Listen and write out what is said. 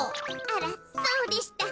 あらそうでした。